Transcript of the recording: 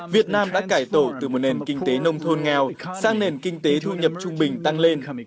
việt nam đã cải tổ từ một nền kinh tế nông thôn nghèo sang nền kinh tế thu nhập trung bình tăng lên